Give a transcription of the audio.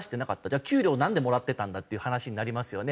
じゃあ給料なんでもらってたんだ？っていう話になりますよね。